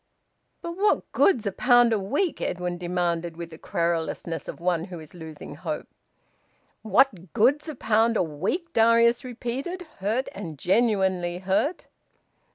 "But what good's a pound a week?" Edwin demanded, with the querulousness of one who is losing hope. "What good's a pound a week!" Darius repeated, hurt and genuinely hurt.